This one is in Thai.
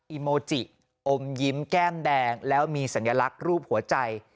อิโมจิอมยิ้มแก้มแดงแล้วมีสัญลักษณ์รูปหัวใจ